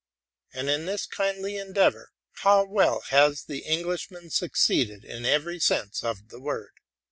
And in this kindly endeavor, how well has the Englishman succeeded in every sense of the word!